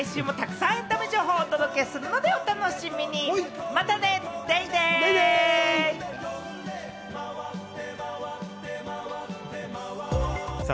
というわけで来週もたくさんエンタメ情報をお届けするので、お楽しみに！